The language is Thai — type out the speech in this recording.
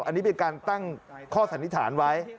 อันนี้เป็นการตั้งข้อสันนิษฐานไว้